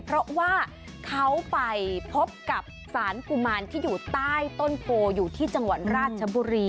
เพราะว่าเขาไปพบกับสารกุมารที่อยู่ใต้ต้นโพอยู่ที่จังหวัดราชบุรี